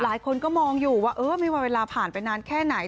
หลายคนก็มองอยู่ว่าเออไม่ว่าเวลาผ่านไปนานแค่ไหน